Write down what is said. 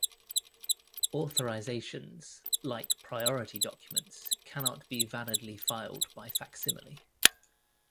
Authorisations, like priority documents, cannot be validly filed by facsimile.